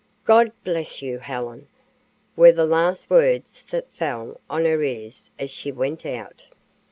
"God bless you, Helen," were the last words that fell on her ears as she went out.